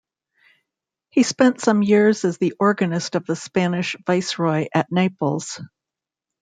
He spent some years as the organist of the Spanish Viceroy at Naples.